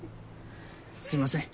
すいません